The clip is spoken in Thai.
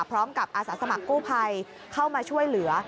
อาสาสมัครกู้ภัยเข้ามาช่วยเหลือ